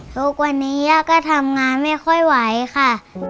ทุกวันนี้ย่าก็ทำงานไม่ค่อยไหวค่ะ